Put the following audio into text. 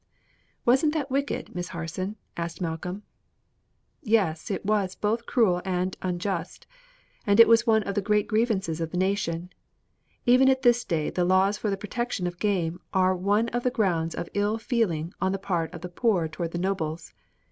"Wasn't that wicked, Miss Harson?" asked Malcolm. "Yes; it was both unjust and cruel, and it was one of the great grievances of the nation. Even at this day the laws for the protection of game are one of the grounds of ill feeling on the part of the poor toward the nobles.